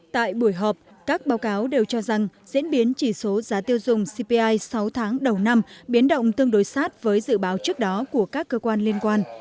tại buổi họp các báo cáo đều cho rằng diễn biến chỉ số giá tiêu dùng cpi sáu tháng đầu năm biến động tương đối sát với dự báo trước đó của các cơ quan liên quan